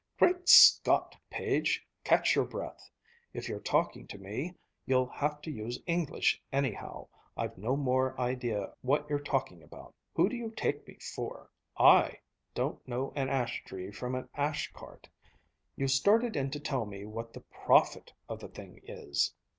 "Great Scott, Page, catch your breath! If you're talking to me, you'll have to use English, anyhow. I've no more idea what you're talking about! Who do you take me for? I don't know an ash tree from an ash cart. You started in to tell me what the profit of the thing is."